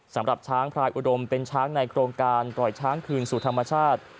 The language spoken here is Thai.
สำหรับช้างพลายอุดมเป็นช้างในโครงการปล่อยช้างคืนสู่ธรรมชาติ